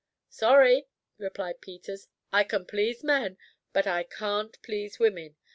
"Sorry," replied Peters, "I can please men, but I can't please women.